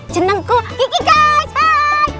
jengukku kiki guys